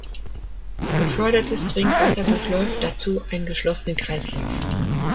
Gefördertes Trinkwasser durchläuft dazu einen geschlossenen Kreislauf.